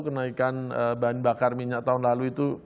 kenaikan bahan bakar minyak tahun lalu itu